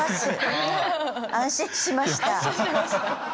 安心しました。